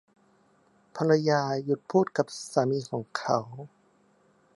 ภรรยาหยุดพูดกับสามีของเขา